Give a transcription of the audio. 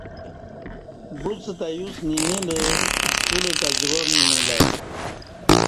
بعوڅ تہ یوس نینیلہ تولہ تہ جوار نینیلہ ا ی